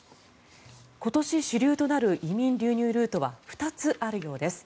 今年主流となる移民流入ルートは２つあるようです。